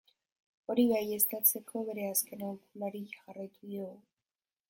Hori baieztatzeko, bere azken aholkuari jarraitu diogu.